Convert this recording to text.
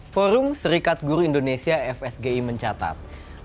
forum serikat guru indonesia fsgi mencatat